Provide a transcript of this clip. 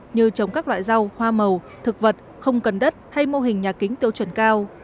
như trồng các loại rau hoa màu thực vật không cần đất hay mô hình nhà kính tiêu chuẩn cao